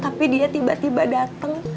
tapi dia tiba tiba datang